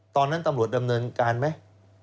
ตอนนั้นตำรวจดำเนินการไหม